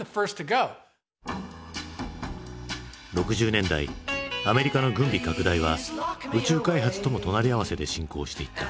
６０年代アメリカの軍備拡大は宇宙開発とも隣り合わせで進行していった。